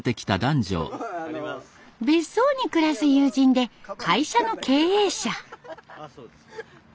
別荘に暮らす友人で会社の経営者。